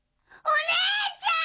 お姉ちゃん！